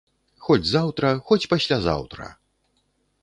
Хоць заўтра, хоць паслязаўтра!